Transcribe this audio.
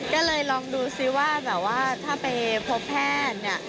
ก็เลยลองดูซิว่าแบบว่าถ้าไปพบแพทย์เนี่ย